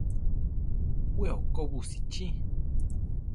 We okó busichí.